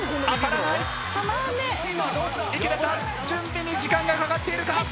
準備に時間がかかっているか。